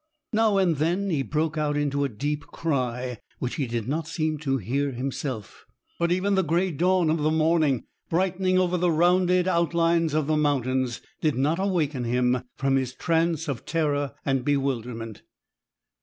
Now and then he broke out into a deep cry, which he did not seem to hear himself; but even the grey dawn of the morning, brightening over the rounded outlines of the mountains, did not awaken him from his trance of terror and bewilderment.